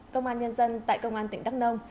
công an nhân dân tại công an tỉnh đắk nông